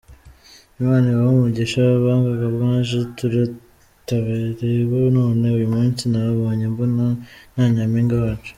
Imana ibahe umugisha baganga mwaje tutareba none uyu munsi nababonye mbona na Nyampinga wacu.